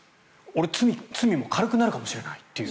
俺、罪も軽くなるかもしれないという。